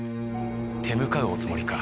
手向かうおつもりか？